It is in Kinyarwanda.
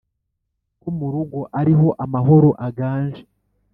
ko *mu rugo ariho amahoro aganje*.